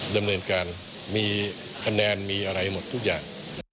ดำเนินการมีคะแนนมีอะไรหมดทุกอย่าง